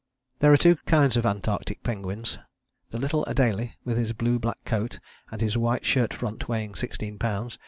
There are two kinds of Antarctic penguins the little Adélie with his blue black coat and his white shirt front, weighing 16 lbs.